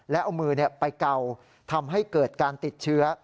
แล้วเอามือไปเกาทำให้เกิดการติดเชื้อ